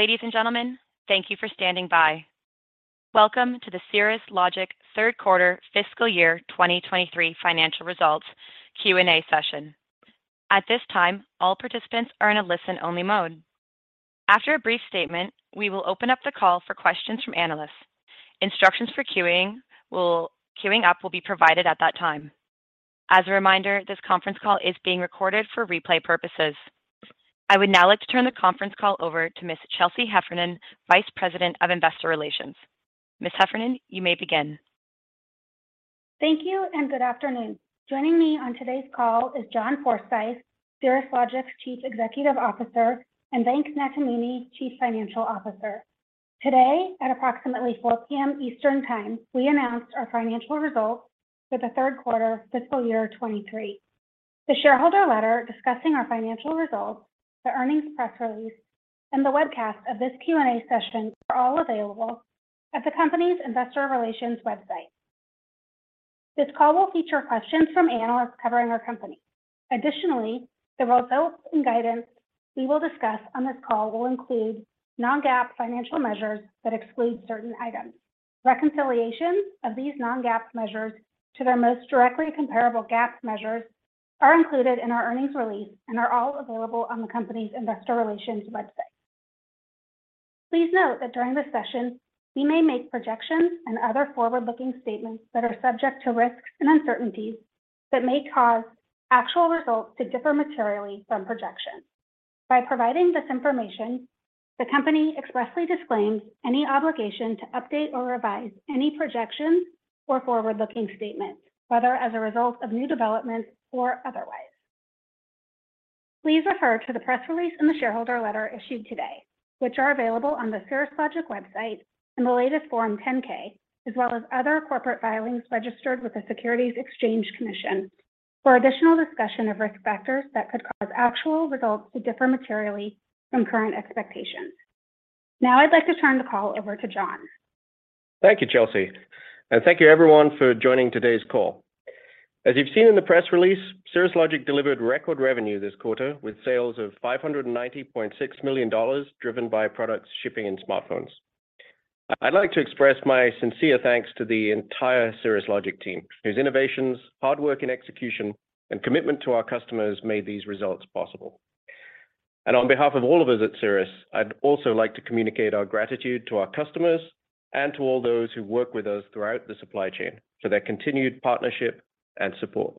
Ladies and gentlemen, thank you for standing by. Welcome to the Cirrus Logic Q3 fiscal year 2023 financial results Q&A session. At this time, all participants are in a listen-only mode. After a brief statement, we will open up the call for questions from analysts. Instructions for queuing up will be provided at that time. As a reminder, this conference call is being recorded for replay purposes. I would now like to turn the conference call over to Ms. Chelsea Heffernan, Vice President of Investor Relations. Ms. Heffernan, you may begin. Thank you and good afternoon. Joining me on today's call is John Forsyth, Cirrus Logic's Chief Executive Officer, and Venk Nathamuni, Chief Financial Officer. Today, at approximately 4:00 P.M. Eastern Time, we announced our financial results for Q3 fiscal year 2023. The shareholder letter discussing our financial results, the earnings press release, and the webcast of this Q&A session are all available at the company's investor relations website. This call will feature questions from analysts covering our company. The results and guidance we will discuss on this call will include non-GAAP financial measures that exclude certain items. Reconciliations of these non-GAAP measures to their most directly comparable GAAP measures are included in our earnings release and are all available on the company's investor relations website. Please note that during this session, we may make projections and other forward-looking statements that are subject to risks and uncertainties that may cause actual results to differ materially from projections. By providing this information, the company expressly disclaims any obligation to update or revise any projections or forward-looking statements, whether as a result of new developments or otherwise. Please refer to the press release and the shareholder letter issued today, which are available on the Cirrus Logic website in the latest Form 10-K, as well as other corporate filings registered with the Securities Exchange Commission for additional discussion of risk factors that could cause actual results to differ materially from current expectations. I'd like to turn the call over to John. Thank you, Chelsea, thank you everyone for joining today's call. As you've seen in the press release, Cirrus Logic delivered record revenue this quarter with sales of $590.6 million, driven by products shipping in smartphones. I'd like to express my sincere thanks to the entire Cirrus Logic team, whose innovations, hard work and execution, and commitment to our customers made these results possible. On behalf of all of us at Cirrus, I'd also like to communicate our gratitude to our customers and to all those who work with us throughout the supply chain for their continued partnership and support.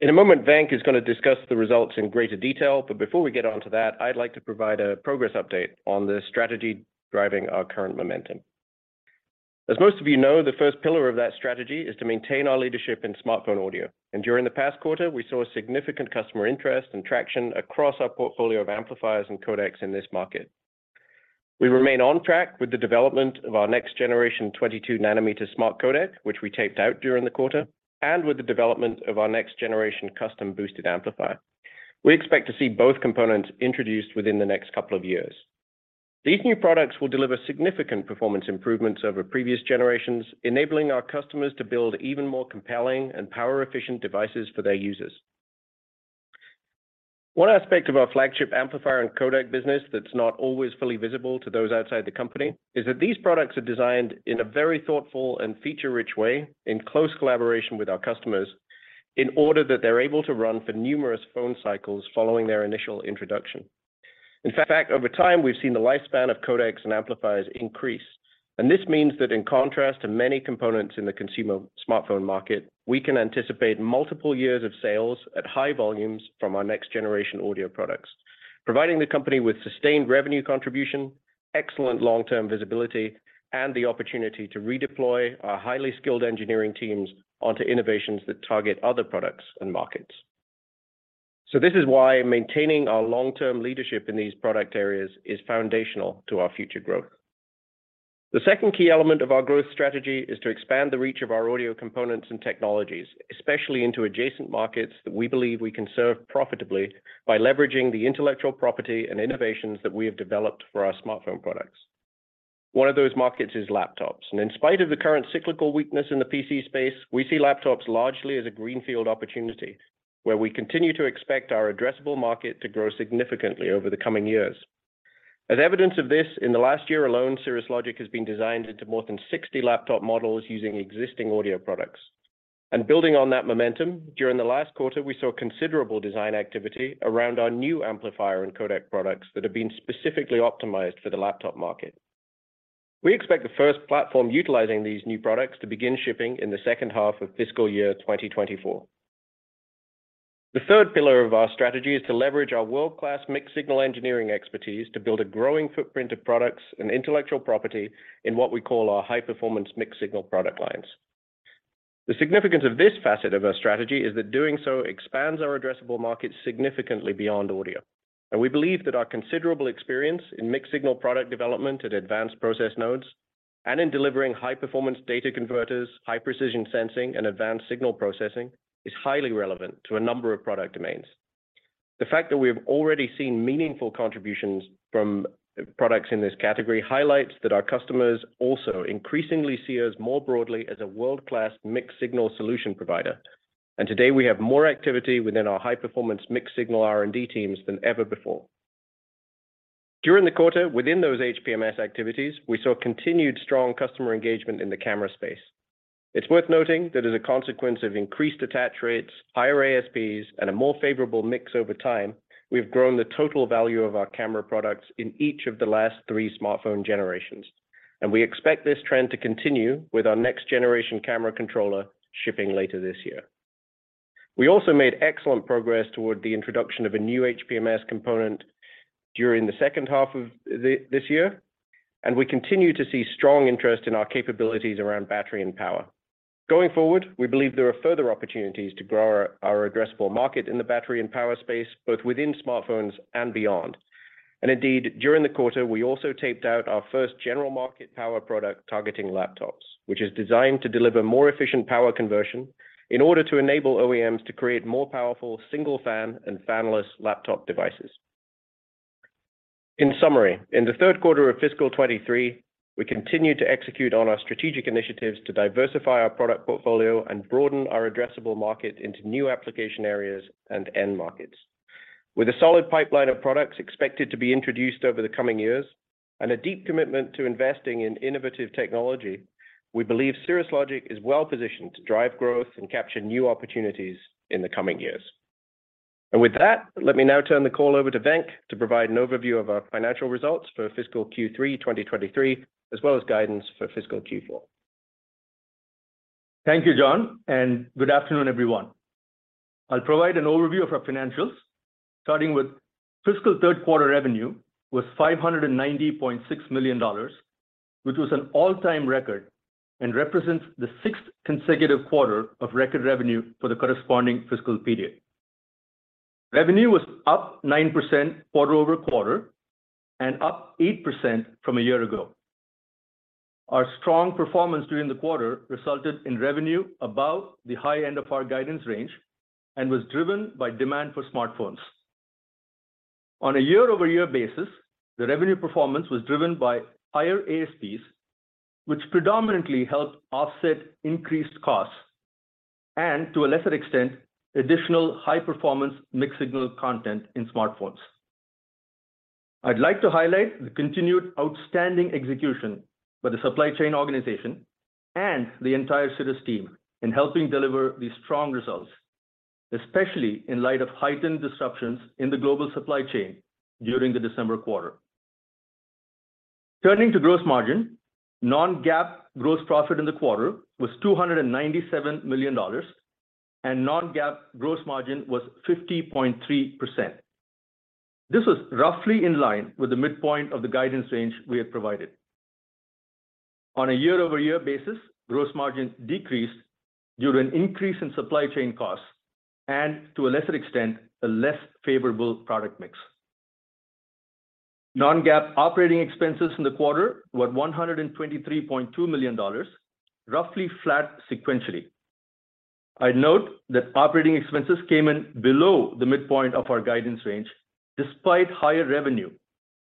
In a moment, Venk is gonna discuss the results in greater detail, but before we get onto that, I'd like to provide a progress update on the strategy driving our current momentum. As most of you know, the first pillar of that strategy is to maintain our leadership in smartphone audio, and during the past quarter, we saw significant customer interest and traction across our portfolio of amplifiers and codecs in this market. We remain on track with the development of our next generation 22 nm smart codec, which we taped out during the quarter, and with the development of our next generation custom boosted amplifier. We expect to see both components introduced within the next couple of years. These new products will deliver significant performance improvements over previous generations, enabling our customers to build even more compelling and power-efficient devices for their users. One aspect of our flagship amplifier and codec business that's not always fully visible to those outside the company is that these products are designed in a very thoughtful and feature-rich way in close collaboration with our customers in order that they're able to run for numerous phone cycles following their initial introduction. In fact, over time, we've seen the lifespan of codecs and amplifiers increase, and this means that in contrast to many components in the consumer smartphone market, we can anticipate multiple years of sales at high volumes from our next generation audio products, providing the company with sustained revenue contribution, excellent long-term visibility, and the opportunity to redeploy our highly skilled engineering teams onto innovations that target other products and markets. This is why maintaining our long-term leadership in these product areas is foundational to our future growth. The second key element of our growth strategy is to expand the reach of our audio components and technologies, especially into adjacent markets that we believe we can serve profitably by leveraging the intellectual property and innovations that we have developed for our smartphone products. One of those markets is laptops. In spite of the current cyclical weakness in the PC space, we see laptops largely as a greenfield opportunity, where we continue to expect our addressable market to grow significantly over the coming years. As evidence of this, in the last year alone, Cirrus Logic has been designed into more than 60 laptop models using existing audio products. Building on that momentum, during the last quarter, we saw considerable design activity around our new amplifier and codec products that have been specifically optimized for the laptop market. We expect the first platform utilizing these new products to begin shipping in the second half of fiscal year 2024. The third pillar of our strategy is to leverage our world-class mixed-signal engineering expertise to build a growing footprint of products and intellectual property in what we call our high-performance mixed-signal product lines. The significance of this facet of our strategy is that doing so expands our addressable market significantly beyond audio. We believe that our considerable experience in mixed-signal product development at advanced process nodes and in delivering high-performance data converters, high-precision sensing, and advanced signal processing is highly relevant to a number of product domains. The fact that we have already seen meaningful contributions from products in this category highlights that our customers also increasingly see us more broadly as a world-class mixed-signal solution provider. Today we have more activity within our high-performance mixed-signal R&D teams than ever before. During the quarter, within those HPMS activities, we saw continued strong customer engagement in the camera space. It's worth noting that as a consequence of increased attach rates, higher ASPs, and a more favorable mix over time, we've grown the total value of our camera products in each of the last three smartphone generations, and we expect this trend to continue with our next generation camera controller shipping later this year. We also made excellent progress toward the introduction of a new HPMS component during the second half of this year. We continue to see strong interest in our capabilities around battery and power. Going forward, we believe there are further opportunities to grow our addressable market in the battery and power space, both within smartphones and beyond. Indeed, during the quarter, we also taped out our first general market power product targeting laptops, which is designed to deliver more efficient power conversion in order to enable OEMs to create more powerful single fan and fanless laptop devices. In summary, in Q3 of fiscal year 2023, we continued to execute on our strategic initiatives to diversify our product portfolio and broaden our addressable market into new application areas and end markets. With a solid pipeline of products expected to be introduced over the coming years and a deep commitment to investing in innovative technology, we believe Cirrus Logic is well-positioned to drive growth and capture new opportunities in the coming years. With that, let me now turn the call over to Venk to provide an overview of our financial results for fiscal Q3 2023, as well as guidance for fiscal Q4. Thank you, John. Good afternoon, everyone. I'll provide an overview of our financials, starting with fiscal Q3 revenue was $590.6 million, which was an all-time record and represents the sixth consecutive quarter of record revenue for the corresponding fiscal period. Revenue was up 9% quarter-over-quarter and up 8% from a year ago. Our strong performance during the quarter resulted in revenue above the high end of our guidance range and was driven by demand for smartphones. On a year-over-year basis, the revenue performance was driven by higher ASPs, which predominantly helped offset increased costs and, to a lesser extent, additional high-performance mixed-signal content in smartphones. I'd like to highlight the continued outstanding execution by the supply chain organization and the entire Cirrus team in helping deliver these strong results, especially in light of heightened disruptions in the global supply chain during the December quarter. Turning to gross margin, non-GAAP gross profit in the quarter was $297 million, and non-GAAP gross margin was 50.3%. This was roughly in line with the midpoint of the guidance range we had provided. On a year-over-year basis, gross margin decreased due to an increase in supply chain costs and, to a lesser extent, a less favorable product mix. Non-GAAP operating expenses in the quarter were $123.2 million, roughly flat sequentially. I'd note that operating expenses came in below the midpoint of our guidance range despite higher revenue,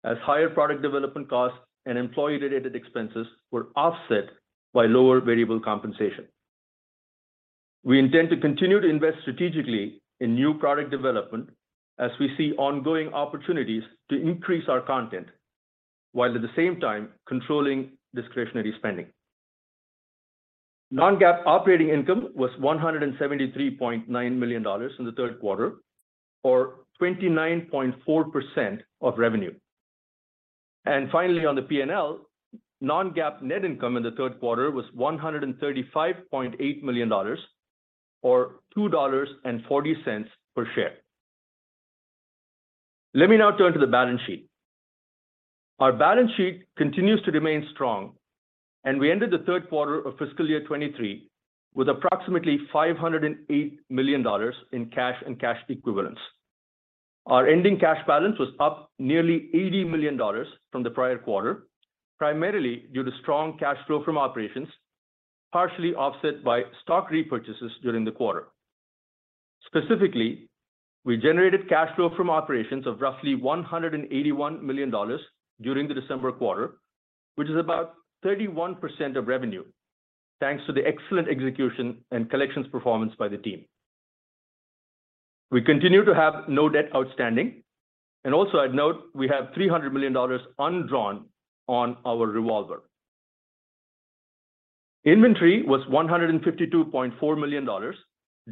as higher product development costs and employee-related expenses were offset by lower variable compensation. We intend to continue to invest strategically in new product development as we see ongoing opportunities to increase our content, while at the same time controlling discretionary spending. Non-GAAP operating income was $173.9 million in Q3 or 29.4% of revenue. Finally, on the P&L, non-GAAP net income in Q3 was $135.8 million or $2.40 per share. Let me now turn to the balance sheet. Our balance sheet continues to remain strong, and we ended Q3 of fiscal year 2023 with approximately $508 million in cash and cash equivalents. Our ending cash balance was up nearly $80 million from the prior quarter, primarily due to strong cash flow from operations, partially offset by stock repurchases during the quarter. Specifically, we generated cash flow from operations of roughly $181 million during the December quarter, which is about 31% of revenue, thanks to the excellent execution and collections performance by the team. We continue to have no debt outstanding, and also I'd note we have $300 million undrawn on our revolver. Inventory was $152.4 million,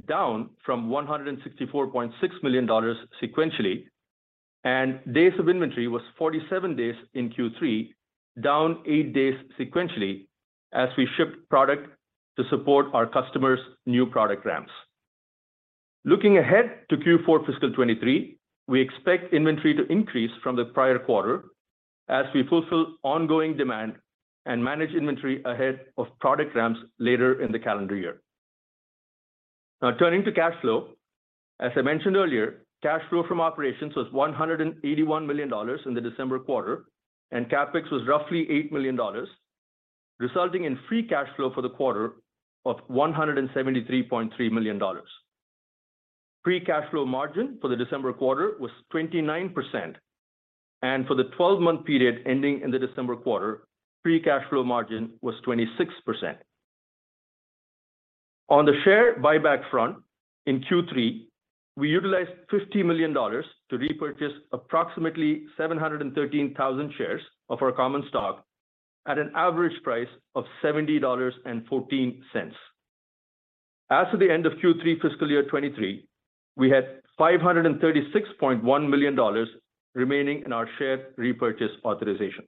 down from $164.6 million sequentially, and days of inventory was 47 days in Q3, down 8 days sequentially as we shipped product to support our customers' new product ramps. Looking ahead to Q4 fiscal 2023, we expect inventory to increase from the prior quarter as we fulfill ongoing demand and manage inventory ahead of product ramps later in the calendar year. Turning to cash flow. As I mentioned earlier, cash flow from operations was $181 million in the December quarter, and CapEx was roughly $8 million, resulting in free cash flow for the quarter of $173.3 million. Free cash flow margin for the December quarter was 29%, and for the 12-month period ending in the December quarter, free cash flow margin was 26%. On the share buyback front, in Q3, we utilized $50 million to repurchase approximately 713,000 shares of our common stock at an average price of $70.14. As of the end of Q3 fiscal year 2023, we had $536.1 million remaining in our share repurchase authorization.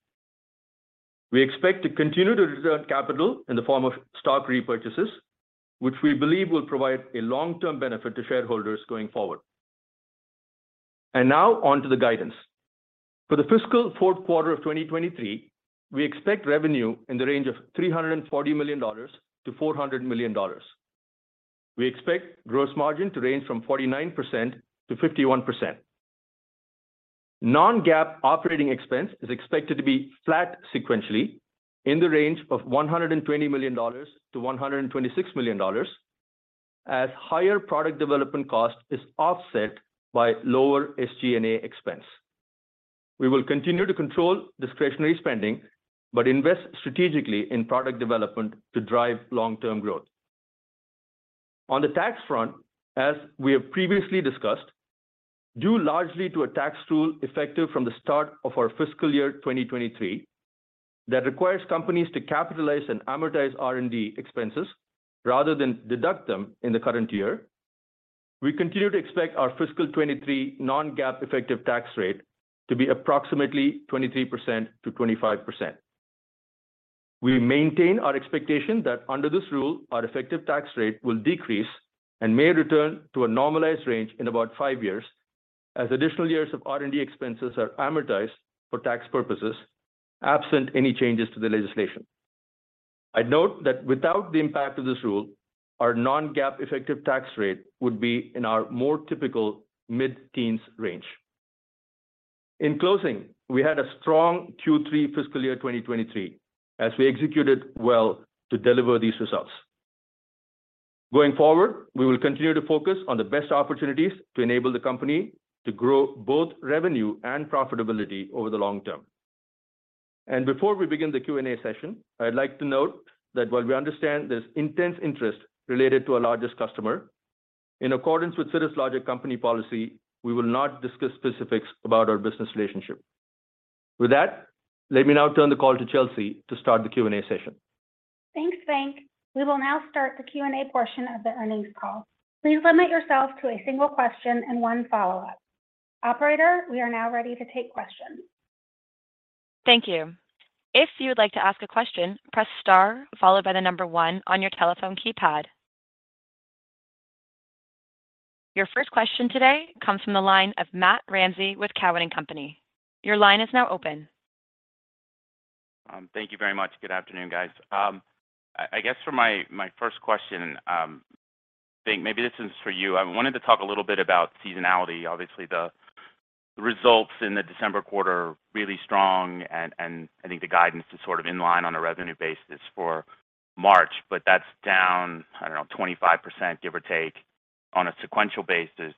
We expect to continue to return capital in the form of stock repurchases, which we believe will provide a long-term benefit to shareholders going forward. Now on to the guidance. For the fiscal Q4 of 2023, we expect revenue in the range of $340 million-$400 million. We expect gross margin to range from 49%-51%. non-GAAP operating expense is expected to be flat sequentially in the range of $120 million-$126 million, as higher product development cost is offset by lower SG&A expense. We will continue to control discretionary spending, but invest strategically in product development to drive long-term growth. On the tax front, as we have previously discussed, due largely to a tax rule effective from the start of our fiscal year 2023 that requires companies to capitalize and amortize R&D expenses rather than deduct them in the current year, we continue to expect our fiscal 2023 non-GAAP effective tax rate to be approximately 23%-25%. We maintain our expectation that under this rule, our effective tax rate will decrease and may return to a normalized range in about five years as additional years of R&D expenses are amortized for tax purposes, absent any changes to the legislation. I'd note that without the impact of this rule, our non-GAAP effective tax rate would be in our more typical mid-teens range. In closing, we had a strong Q3 fiscal year 2023 as we executed well to deliver these results. Going forward, we will continue to focus on the best opportunities to enable the company to grow both revenue and profitability over the long term. Before we begin the Q&A session, I'd like to note that while we understand there's intense interest related to our largest customer, in accordance with Cirrus Logic company policy, we will not discuss specifics about our business relationship. With that, let me now turn the call to Chelsea to start the Q&A session. Thanks, Venk. We will now start the Q&A portion of the earnings call. Please limit yourself to a single question and one follow-up. Operator, we are now ready to take questions. Thank you. If you would like to ask a question, press star followed by one on your telephone keypad. Your first question today comes from the line of Matt Ramsay with Cowen and Company. Your line is now open. Thank you very much. Good afternoon, guys. I guess for my first question, Venk, maybe this is for you. I wanted to talk a little bit about seasonality. Obviously, the results in the December quarter are really strong and I think the guidance is sort of in line on a revenue basis for March, but that's down, I don't know, 25%, give or take, on a sequential basis,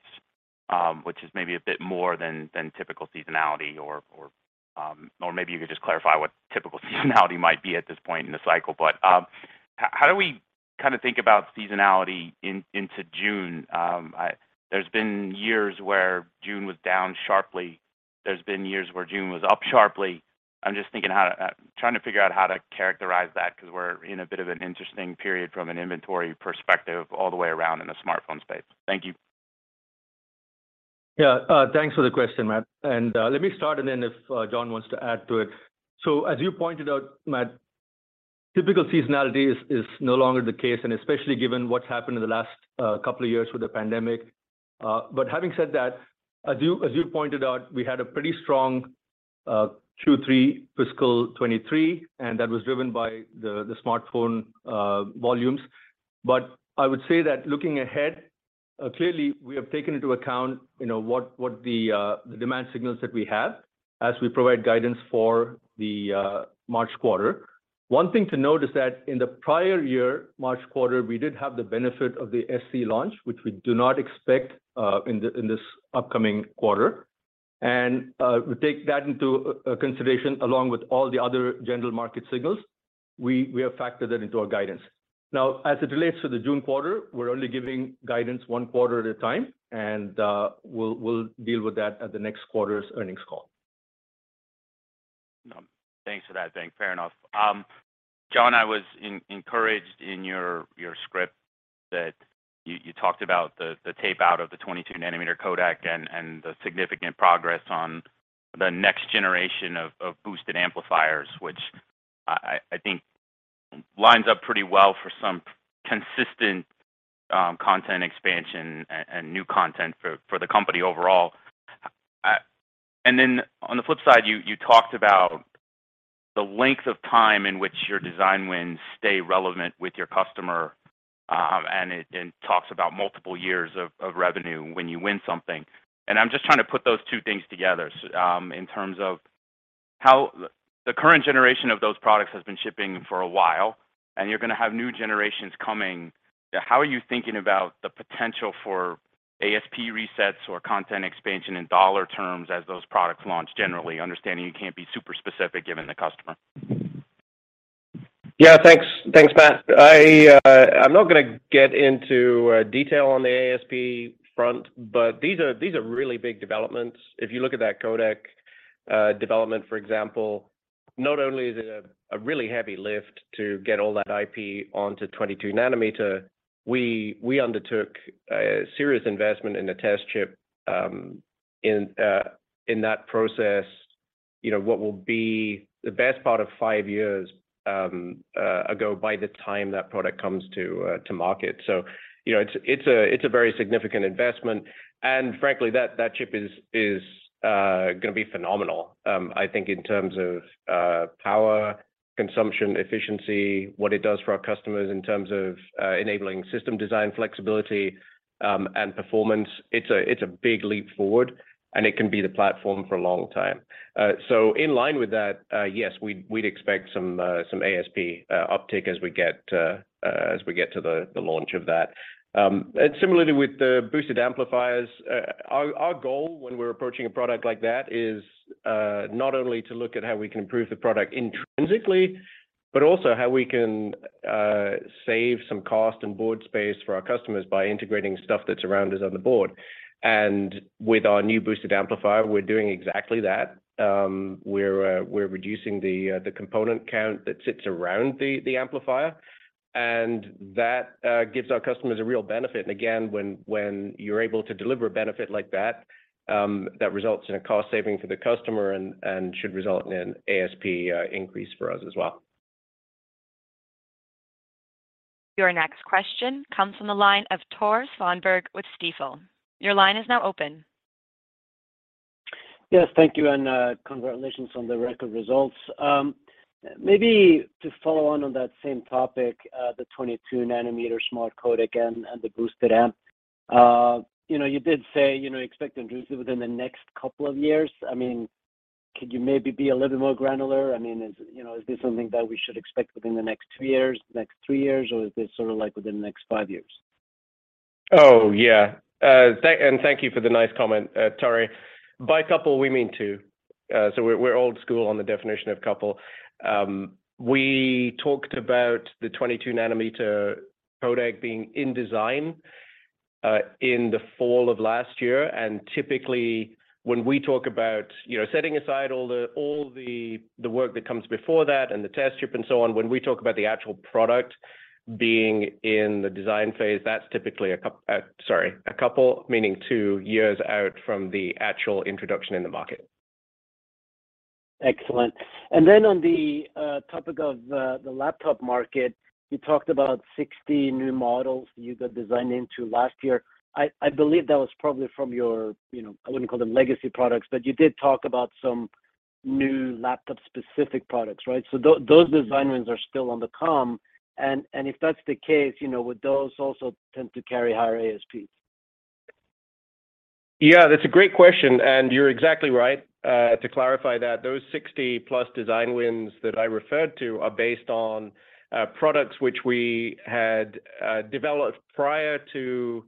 which is maybe a bit more than typical seasonality or maybe you could just clarify what typical seasonality might be at this point in the cycle. How do we kinda think about seasonality into June? There's been years where June was down sharply. There's been years where June was up sharply. I'm just thinking how to, trying to figure out how to characterize that because we're in a bit of an interesting period from an inventory perspective all the way around in the smartphone space. Thank you. Yeah, thanks for the question, Matt. Let me start, and then if John wants to add to it. As you pointed out, Matt, typical seasonality is no longer the case, and especially given what's happened in the last couple of years with the pandemic. Having said that, as you pointed out, we had a pretty strong Q3 fiscal 23, and that was driven by the smartphone volumes. I would say that looking ahead, clearly we have taken into account, you know, what the demand signals that we have as we provide guidance for the March quarter. One thing to note is that in the prior year, March quarter, we did have the benefit of the SE launch, which we do not expect in this upcoming quarter. We take that into consideration along with all the other general market signals. We have factored that into our guidance. As it relates to the June quarter, we're only giving guidance one quarter at a time, we'll deal with that at the next quarter's earnings call. Thanks for that, Venk. Fair enough. John, I was encouraged in your script that you talked about the tape out of the 22 nm codec and the significant progress on the next generation of boosted amplifiers, which I think lines up pretty well for some consistent content expansion and new content for the company overall. On the flip side, you talked about the length of time in which your design wins stay relevant with your customer, and it talks about multiple years of revenue when you win something. I'm just trying to put those two things together in terms of The current generation of those products has been shipping for a while, and you're going to have new generations coming. How are you thinking about the potential for ASP resets or content expansion in dollar terms as those products launch generally, understanding you can't be super specific given the customer? Yeah, thanks. Thanks, Matt. I'm not gonna get into detail on the ASP front, but these are really big developments. If you look at that codec development, for example, not only is it a really heavy lift to get all that IP onto 22 nm, we undertook a serious investment in the test chip in that process, you know, what will be the best part of 5 years ago by the time that product comes to market. You know, it's a very significant investment, and frankly, that chip is gonna be phenomenal. I think in terms of power consumption efficiency, what it does for our customers in terms of enabling system design flexibility, and performance, it's a big leap forward, and it can be the platform for a long time. In line with that, yes, we'd expect some ASP uptick as we get as we get to the launch of that. Similarly with the boosted amplifiers, our goal when we're approaching a product like that is not only to look at how we can improve the product intrinsically, but also how we can save some cost and board space for our customers by integrating stuff that's around us on the board. With our new boosted amplifier, we're doing exactly that. We're reducing the component count that sits around the amplifier, and that gives our customers a real benefit. Again, when you're able to deliver a benefit like that results in a cost saving for the customer and should result in an ASP increase for us as well. Your next question comes from the line of Tore Svanberg with Stifel. Your line is now open. Yes. Thank you, congratulations on the record results. Maybe to follow on that same topic, the 22 nm Smart Codec and the Boosted Amp. You know, you did say, you know, expect to introduce it within the next couple of years. I mean, could you maybe be a little bit more granular? I mean, you know, is this something that we should expect within the next two years, the next three years, or is this sort of like within the next five years? Oh, yeah. Thank you for the nice comment, Tor. By couple, we mean two. We're, we're old school on the definition of couple. We talked about the 22 nm codec being in design in the fall of last year. Typically when we talk about, you know, setting aside all the work that comes before that and the test chip and so on, when we talk about the actual product being in the design phase, that's typically sorry, a couple meaning two years out from the actual introduction in the market. Excellent. On the topic of the laptop market, you talked about 60 new models you got designed into last year. I believe that was probably from your, you know, I wouldn't call them legacy products, but you did talk about some new laptop specific products, right? Those design wins are still on the come, if that's the case, you know, would those also tend to carry higher ASPs? Yeah, that's a great question, and you're exactly right. To clarify that, those 60-plus design wins that I referred to are based on products which we had developed prior to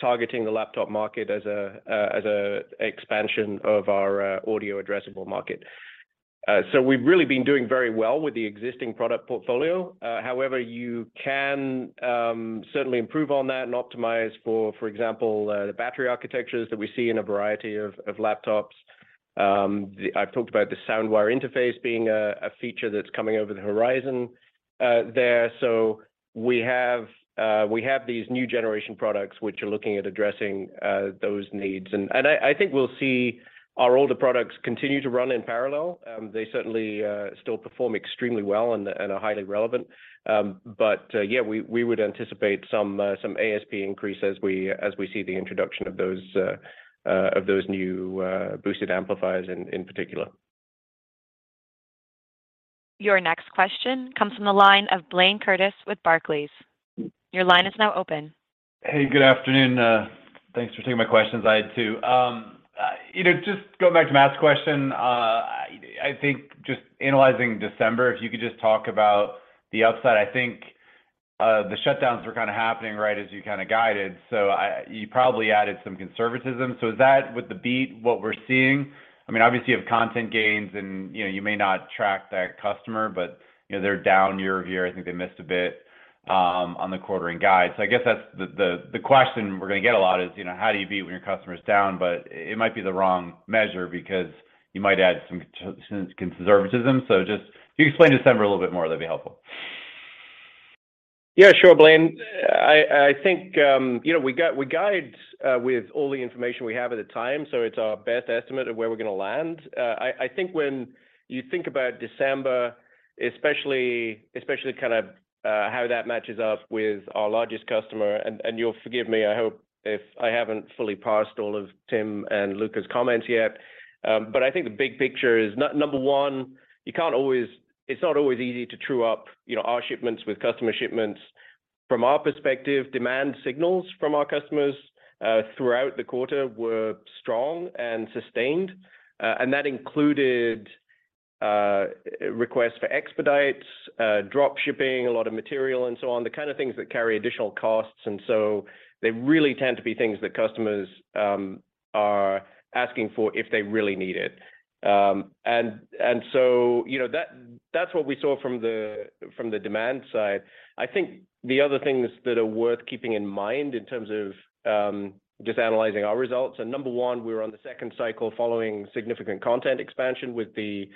targeting the laptop market as a expansion of our audio addressable market. We've really been doing very well with the existing product portfolio. You can certainly improve on that and optimize for example, the battery architectures that we see in a variety of laptops. I've talked about the SoundWire interface being a feature that's coming over the horizon there. We have these new generation products which are looking at addressing those needs. I think we'll see our older products continue to run in parallel. They certainly still perform extremely well and are highly relevant. Yeah, we would anticipate some ASP increase as we see the introduction of those new boosted amplifiers in particular. Your next question comes from the line of Blayne Curtis with Barclays. Your line is now open. Hey, good afternoon. Thanks for taking my questions. I had two. You know, just going back to Matt's question, I think just analyzing December, if you could just talk about the upside. I think the shutdowns were kind of happening right as you kind of guided, so you probably added some conservatism. Is that with the beat, what we're seeing? I mean, obviously you have content gains and, you know, you may not track that customer, but you know, they're down year-over-year. I think they missed a bit on the quarter and guide. I guess that's the question we're gonna get a lot is, you know, how do you beat when your customer's down? It might be the wrong measure because you might add some conservatism. Just if you explain December a little bit more, that'd be helpful. Yeah, sure, Blayne. I think, you know, we guide, with all the information we have at the time, so it's our best estimate of where we're gonna land. I think when you think about December, especially kind of, how that matches up with our largest customer, and you'll forgive me, I hope, if I haven't fully parsed all of Tim and Luca's comments yet. I think the big picture is number one, it's not always easy to true up, you know, our shipments with customer shipments. From our perspective, demand signals from our customers, throughout the quarter were strong and sustained. That included, request for expedites, drop shipping a lot of material and so on, the kind of things that carry additional costs. They really tend to be things that customers are asking for if they really need it. You know, that's what we saw from the, from the demand side. I think the other things that are worth keeping in mind in terms of just analyzing our results, number one, we're on the second cycle following significant content expansion with the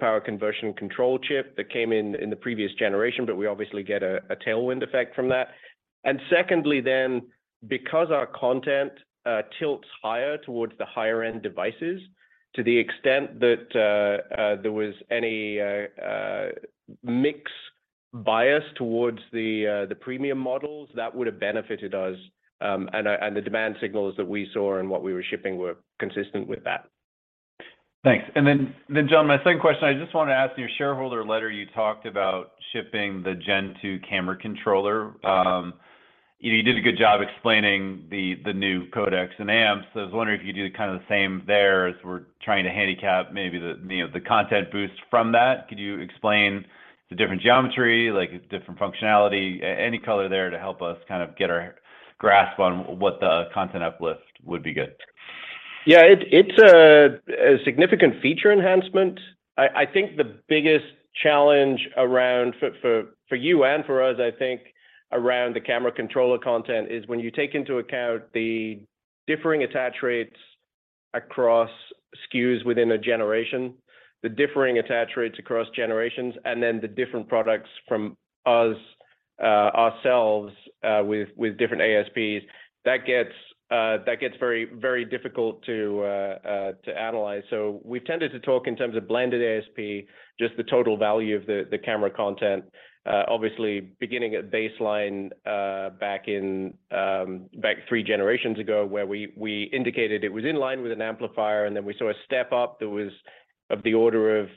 power conversion control chip that came in the previous generation. We obviously get a tailwind effect from that. Secondly then, because our content tilts higher towards the higher end devices, to the extent that there was any mix bias towards the premium models that would have benefited us, and the demand signals that we saw and what we were shipping were consistent with that. Thanks. Then John, my second question, I just want to ask, in your shareholder letter, you talked about shipping the Gen 2 camera controller. You did a good job explaining the new codecs and amps. I was wondering if you do kind of the same there as we're trying to handicap maybe the, you know, the content boost from that. Could you explain the different geometry, like different functionality, any color there to help us kind of get our grasp on what the content uplift would be good? Yeah. It's a significant feature enhancement. I think the biggest challenge around for you and for us, I think around the camera controller content is when you take into account the differing attach rates across SKUs within a generation, the differing attach rates across generations, and then the different products from ourselves, with different ASPs, that gets very, very difficult to analyze. We've tended to talk in terms of blended ASP, just the total value of the camera content, obviously beginning at baseline, back in, back three generations ago, where we indicated it was in line with an amplifier, and then we saw a step up that was of the order of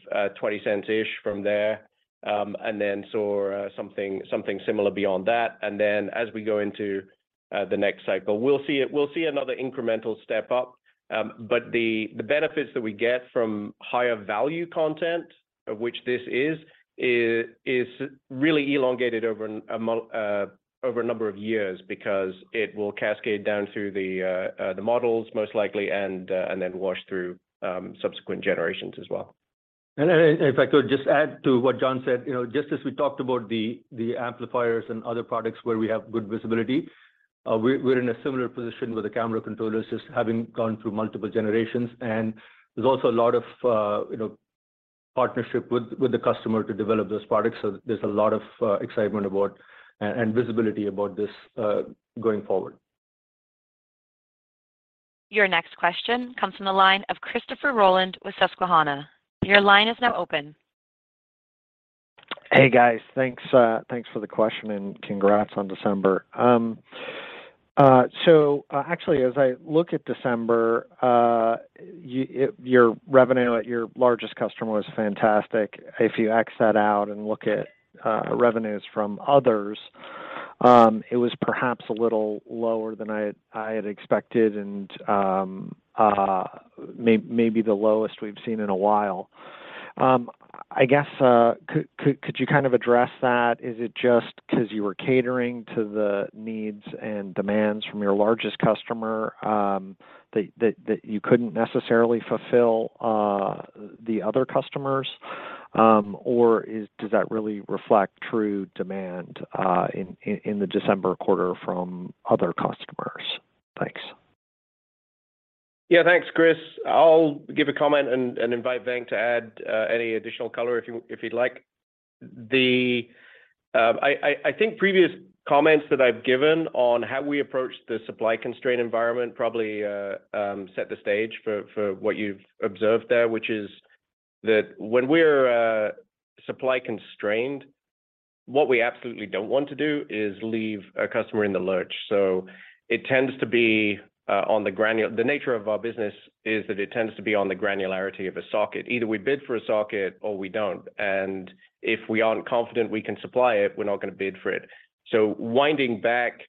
$0.20-ish from there, and then saw something similar beyond that. As we go into the next cycle, we'll see another incremental step up. The benefits that we get from higher value content, of which this is really elongated over a number of years because it will cascade down through the models most likely and then wash through subsequent generations as well. If I could just add to what John said, you know, just as we talked about the amplifiers and other products where we have good visibility, we're in a similar position with the camera controllers just having gone through multiple generations. There's also a lot of, you know, partnership with the customer to develop those products. There's a lot of excitement about and visibility about this going forward. Your next question comes from the line of Christopher Rolland with Susquehanna. Your line is now open. Hey, guys. Thanks, thanks for the question, and congrats on December. Actually, as I look at December, your revenue at your largest customer was fantastic. If you axe that out and look at revenues from others, it was perhaps a little lower than I had expected and maybe the lowest we've seen in a while. I guess, could you kind of address that? Is it just because you were catering to the needs and demands from your largest customer, that you couldn't necessarily fulfill the other customers? Does that really reflect true demand in the December quarter from other customers? Thanks. Thanks, Chris. I'll give a comment and invite Venk to add any additional color if you'd like. I think previous comments that I've given on how we approach the supply constraint environment probably set the stage for what you've observed there, which is that when we're supply constrained, what we absolutely don't want to do is leave a customer in the lurch. It tends to be the nature of our business is that it tends to be on the granularity of a socket. Either we bid for a socket or we don't. If we aren't confident we can supply it, we're not gonna bid for it. Winding back,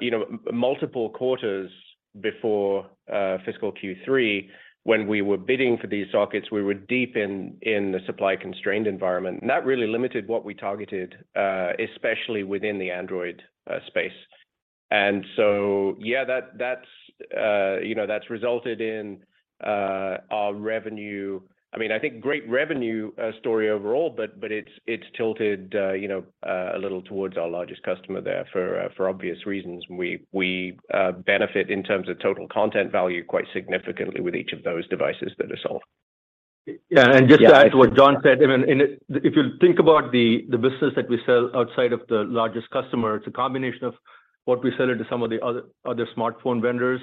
you know, multiple quarters before fiscal Q3, when we were bidding for these sockets, we were deep in the supply constrained environment, and that really limited what we targeted, especially within the Android space. Yeah, that's, you know, that's resulted in our revenue. I mean, I think great revenue story overall, but it's tilted, you know, a little towards our largest customer there for obvious reasons. We benefit in terms of total content value quite significantly with each of those devices that are sold. Yeah. Just to add to what John said, I mean, if you think about the business that we sell outside of the largest customer, it's a combination of what we sell into some of the other smartphone vendors,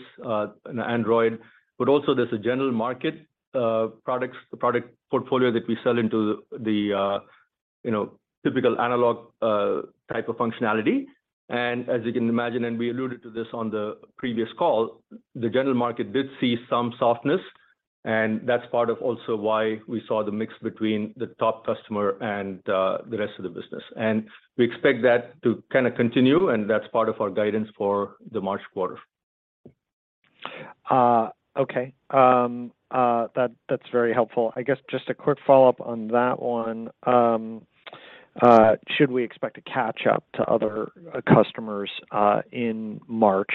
Android, but also there's a general market products, the product portfolio that we sell into the, you know, typical analog type of functionality. As you can imagine, and we alluded to this on the previous call, the general market did see some softness. That's part of also why we saw the mix between the top customer and the rest of the business. We expect that to kind of continue, and that's part of our guidance for the March quarter. Okay. That's very helpful. I guess just a quick follow-up on that one. Should we expect to catch up to other customers in March?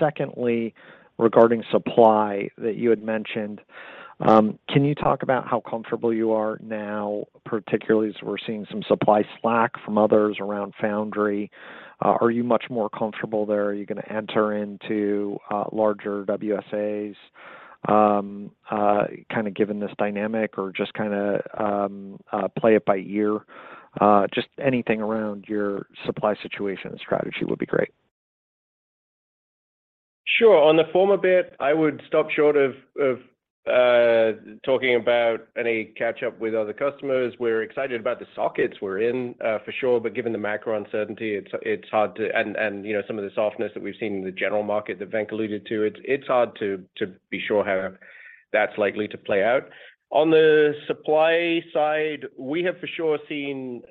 Secondly, regarding supply that you had mentioned, can you talk about how comfortable you are now, particularly as we're seeing some supply slack from others around Foundry? Are you much more comfortable there? Are you gonna enter into larger WSAs, kinda given this dynamic or just kinda play it by ear? Just anything around your supply situation and strategy would be great. Sure. On the former bit, I would stop short of talking about any catch up with other customers. We're excited about the sockets we're in, for sure, but given the macro uncertainty, it's hard to. You know, some of the softness that we've seen in the general market that Venk alluded to, it's hard to be sure how that's likely to play out. On the supply side, we have for sure seen,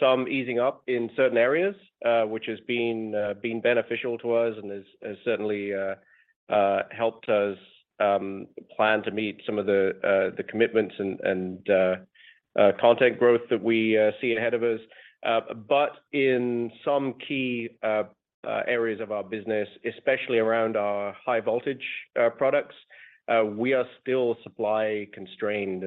some easing up in certain areas, which has been beneficial to us and has certainly helped us, plan to meet some of the commitments and content growth that we see ahead of us. In some key areas of our business, especially around our high voltage products, we are still supply constrained.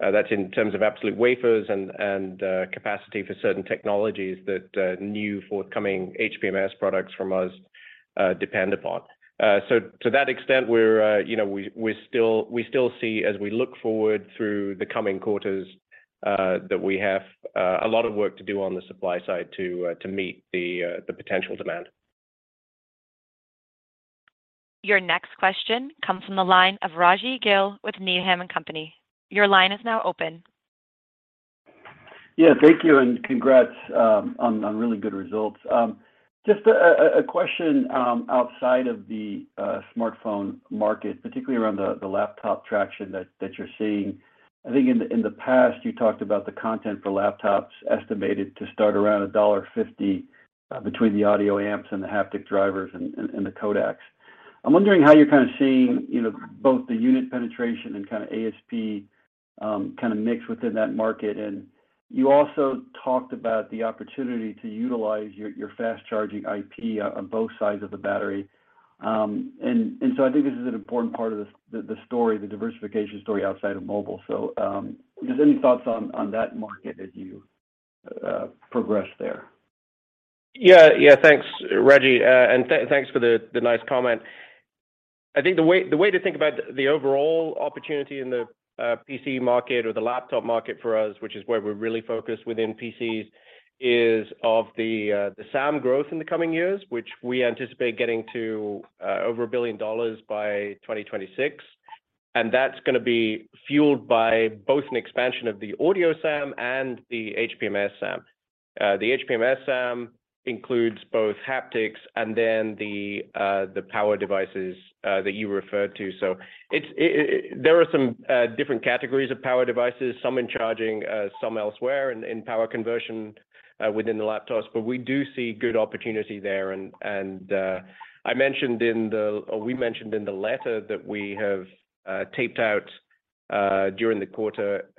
That's in terms of absolute wafers and capacity for certain technologies that new forthcoming HPMS products from us depend upon. To that extent, you know, we still see as we look forward through the coming quarters that we have a lot of work to do on the supply side to meet the potential demand. Your next question comes from the line of Rajvindra Gill with Needham & Company. Your line is now open. Yeah, thank you, and congrats on really good results. Just a question outside of the smartphone market, particularly around the laptop traction that you're seeing. I think in the past, you talked about the content for laptops estimated to start around $1.50 between the audio amps and the haptic drivers and the codecs. I'm wondering how you're kinda seeing, you know, both the unit penetration and kinda ASP, kinda mix within that market. You also talked about the opportunity to utilize your fast charging IP on both sides of the battery. I think this is an important part of the story, the diversification story outside of mobile. Just any thoughts on that market as you progress there? Yeah. Yeah. Thanks, Rajvi. Thanks for the nice comment. I think the way to think about the overall opportunity in the PC market or the laptop market for us, which is where we're really focused within PCs, is of the SAM growth in the coming years, which we anticipate getting to over $1 billion by 2026. That's going to be fueled by both an expansion of the audio SAM and the HPMS SAM. The HPMS SAM includes both haptics and then the power devices that you referred to. There are some different categories of power devices, some in charging, some elsewhere in power conversion within the laptops, but we do see good opportunity there. I mentioned in the letter that we have taped out during the quarter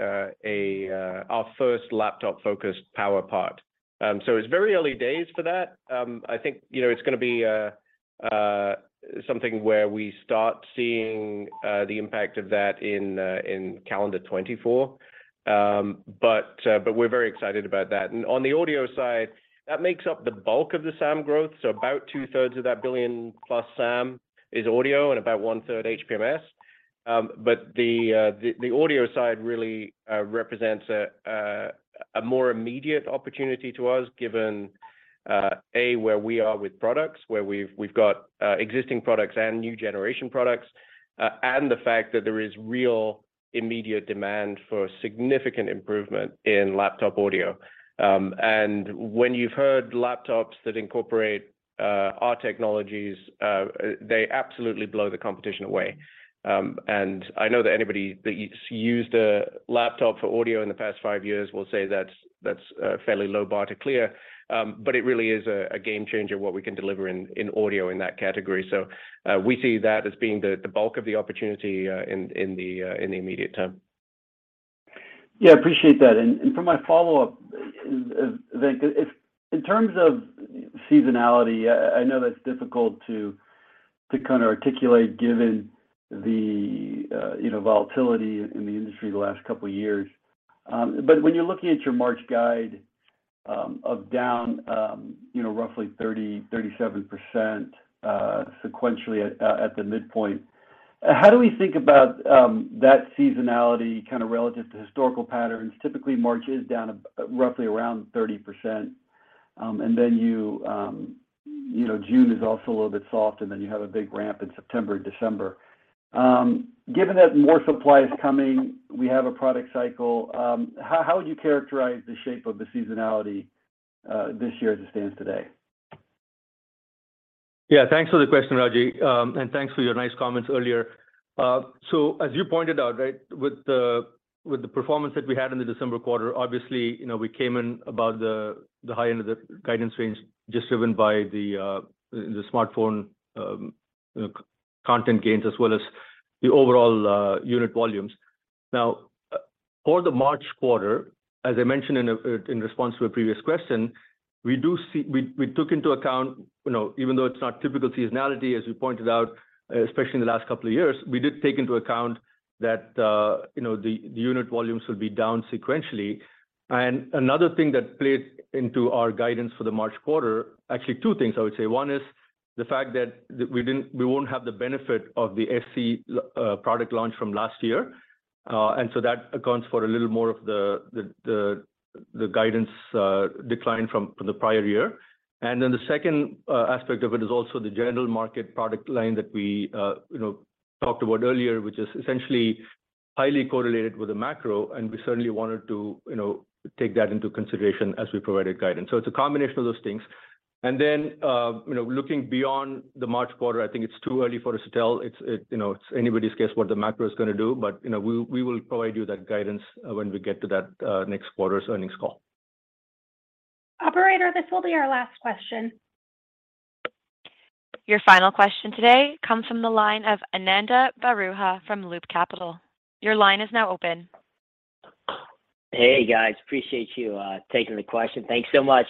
a our first laptop-focused power part. It's very early days for that. I think, you know, it's gonna be something where we start seeing the impact of that in calendar 2024. We're very excited about that. On the audio side, that makes up the bulk of the SAM growth. About two-thirds of that $1 billion plus SAM is audio and about one-third HPMS. The audio side really represents a more immediate opportunity to us given A, where we are with products, where we've got existing products and new generation products, and the fact that there is real immediate demand for significant improvement in laptop audio. When you've heard laptops that incorporate our technologies, they absolutely blow the competition away. I know that anybody that's used a laptop for audio in the past five years will say that's a fairly low bar to clear. It really is a game changer what we can deliver in audio in that category. We see that as being the bulk of the opportunity in the immediate term. Yeah, appreciate that. For my follow-up, Venk, if in terms of seasonality, I know that's difficult to kinda articulate given the, you know, volatility in the industry the last couple of years. When you're looking at your March guide of down, you know, roughly 30%-37% sequentially at the midpoint, how do we think about that seasonality kinda relative to historical patterns? Typically, March is down roughly around 30%. Then you know, June is also a little bit soft, and then you have a big ramp in September and December. Given that more supply is coming, we have a product cycle. How would you characterize the shape of the seasonality this year as it stands today? Yeah, thanks for the question, Rajvi. Thanks for your nice comments earlier. As you pointed out, right, with the performance that we had in the December quarter, obviously, you know, we came in about the high end of the guidance range just driven by the smartphone, content gains, as well as the overall unit volumes. Now, for the March quarter, as I mentioned in response to a previous question, we took into account, you know, even though it's not typical seasonality as we pointed out, especially in the last couple of years, we did take into account that, you know, the unit volumes will be down sequentially. Another thing that played into our guidance for the March quarter. Actually two things I would say. One is the fact that we won't have the benefit of the SE product launch from last year. That accounts for a little more of the guidance decline from the prior year. The second aspect of it is also the general market product line that we, you know, talked about earlier, which is essentially highly correlated with the macro, and we certainly wanted to, you know, take that into consideration as we provided guidance. It's a combination of those things. Looking beyond the March quarter, I think it's too early for us to tell. It's, you know, it's anybody's guess what the macro is gonna do, but, you know, we will provide you that guidance when we get to that next quarter's earnings call. Operator, this will be our last question. Your final question today comes from the line of Ananda Baruah from Loop Capital. Your line is now open. Hey, guys. Appreciate you, taking the question. Thanks so much.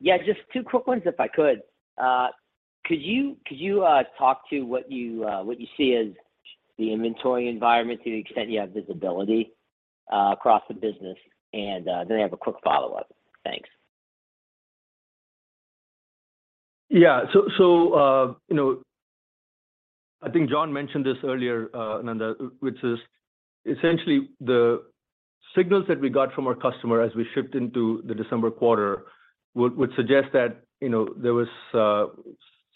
Yeah, just two quick ones if I could. Could you talk to what you what you see as the inventory environment to the extent you have visibility across the business? Then I have a quick follow-up. Thanks. You know, I think John mentioned this earlier, Ananda Baruah, which is essentially the signals that we got from our customer as we shipped into the December quarter would suggest that, you know, there was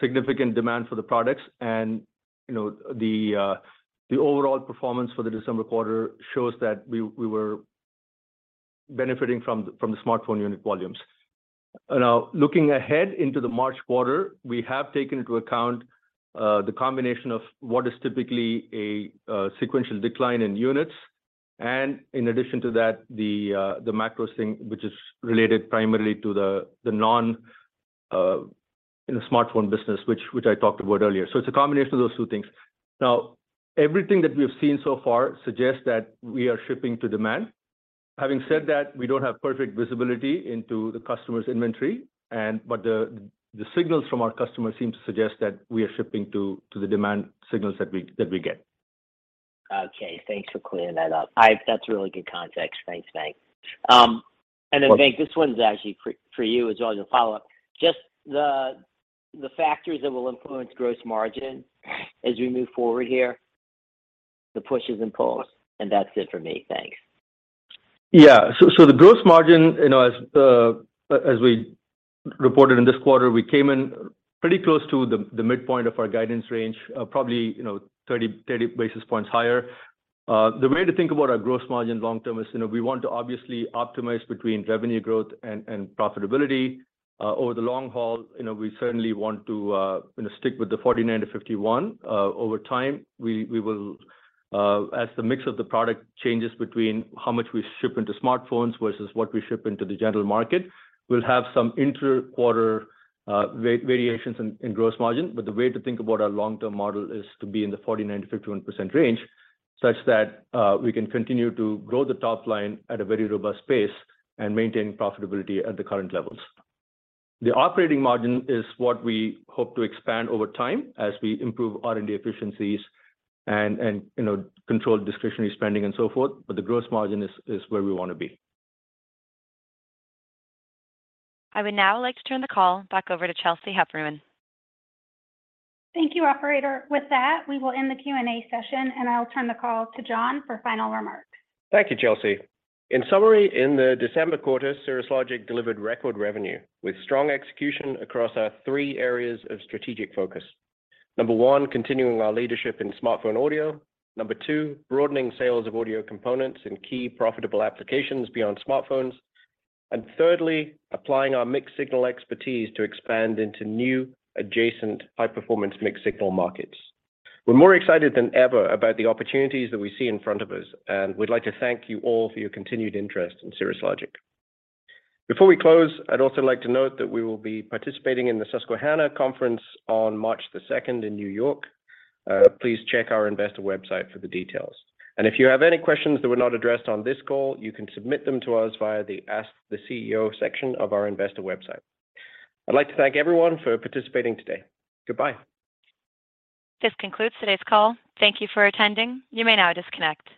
significant demand for the products and, you know, the overall performance for the December quarter shows that we were benefiting from the smartphone unit volumes. Looking ahead into the March quarter, we have taken into account the combination of what is typically a sequential decline in units and in addition to that, the macro scene, which is related primarily to the non, you know, smartphone business which I talked about earlier. It's a combination of those two things. Everything that we have seen so far suggests that we are shipping to demand. Having said that, we don't have perfect visibility into the customer's inventory but the signals from our customers seem to suggest that we are shipping to the demand signals that we get. Okay, thanks for clearing that up. That's really good context. Thanks, Venk. Venk, this one's actually for you as well as a follow-up. Just the factors that will influence gross margin as we move forward here, the pushes and pulls. That's it for me. Thanks. The gross margin, you know, as we reported in this quarter, we came in pretty close to the midpoint of our guidance range, probably, you know, 30 basis points higher. The way to think about our gross margin long term is, you know, we want to obviously optimize between revenue growth and profitability. Over the long haul, you know, we certainly want to, you know, stick with the 49%-51%. Over time, we will, as the mix of the product changes between how much we ship into smartphones versus what we ship into the general market, we'll have some inter-quarter variations in gross margin. The way to think about our long-term model is to be in the 49%-51% range, such that we can continue to grow the top line at a very robust pace and maintain profitability at the current levels. The operating margin is what we hope to expand over time as we improve R&D efficiencies and, you know, control discretionary spending and so forth, but the gross margin is where we wanna be. I would now like to turn the call back over to Chelsea Heffernan. Thank you, operator. With that, we will end the Q&A session, and I'll turn the call to John for final remarks. Thank you, Chelsea. In summary, in the December quarter, Cirrus Logic delivered record revenue with strong execution across our three areas of strategic focus. Number one, continuing our leadership in smartphone audio. Number two, broadening sales of audio components in key profitable applications beyond smartphones. Thirdly, applying our mixed-signal expertise to expand into new adjacent high-performance mixed-signal markets. We're more excited than ever about the opportunities that we see in front of us, and we'd like to thank you all for your continued interest in Cirrus Logic. Before we close, I'd also like to note that we will be participating in the Susquehanna Conference on March the second in New York. Please check our investor website for the details. If you have any questions that were not addressed on this call, you can submit them to us via the Ask the CEO section of our investor website. I'd like to thank everyone for participating today. Goodbye. This concludes today's call. Thank you for attending. You may now disconnect.